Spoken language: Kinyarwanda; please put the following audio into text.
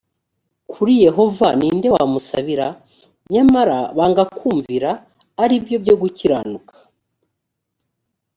kuri yehova ni nde wamusabira nyamara banga kumvira aribyo byo gukiranuka